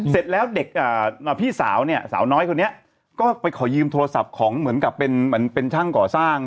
เสร็จแล้วพี่สาวเนี่ยสาวน้อยคนเนี่ยก็ไปขอยืมโทรศัพท์ของเหมือนกับเป็นช่างก่อสร้าง